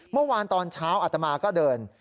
เมื่อวานตอนเช้าอัตมาก็เดิน